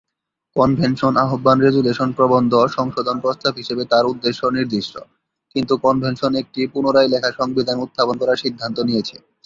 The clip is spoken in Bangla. কনভেনশন আহ্বান রেজুলেশন প্রবন্ধ সংশোধন প্রস্তাব হিসাবে তার উদ্দেশ্য নির্দিষ্ট, কিন্তু কনভেনশন একটি পুনরায় লেখা সংবিধান উত্থাপন করার সিদ্ধান্ত নিয়েছে।